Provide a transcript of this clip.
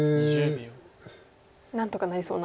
何とかなりそうな。